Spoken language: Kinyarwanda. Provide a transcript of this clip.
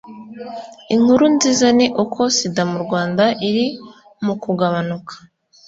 inkuru nziza ni uko sida mu rwanda iri mukugabanuka;